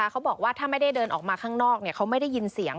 เขาบอกว่าถ้าไม่ได้เดินออกมาข้างนอกเขาไม่ได้ยินเสียง